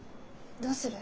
どうする？